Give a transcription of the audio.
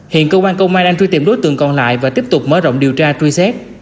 hiện cơ quan công an đang truy tìm đối tượng còn lại và tiếp tục mở rộng điều tra truy xét